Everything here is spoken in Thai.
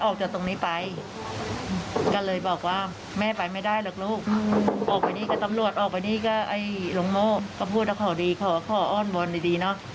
ก็พูดว่าขอดีขออ้อนบนดีนะ